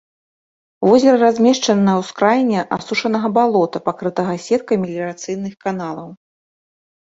Возера размешчана на ўскраіне асушанага балота, пакрытага сеткай меліярацыйных каналаў.